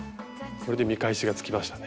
これで見返しがつきましたね。